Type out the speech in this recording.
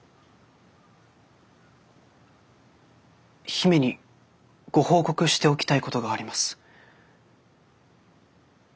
姫にご報告しておきたいことがあります。